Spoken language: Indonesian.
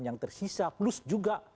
yang tersisa plus juga